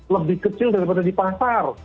lebih kecil daripada di pasar